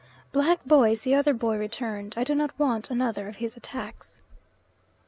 Black boy is the other boy returned, I do not want another of his attacks.